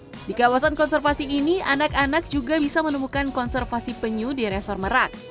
nah di kawasan konservasi ini anak anak juga bisa menemukan konservasi penyu di resor merak